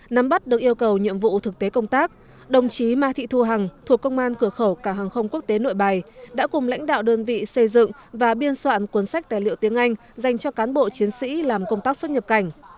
nắm bắt được yêu cầu nhiệm vụ thực tế công tác đồng chí ma thị thu hằng thuộc công an cửa khẩu cả hàng không quốc tế nội bài đã cùng lãnh đạo đơn vị xây dựng và biên soạn cuốn sách tài liệu tiếng anh dành cho cán bộ chiến sĩ làm công tác xuất nhập cảnh